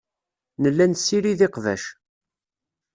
Nella nessirid iqbac.